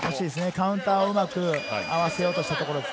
カウンターをうまく合わせようとしたところです。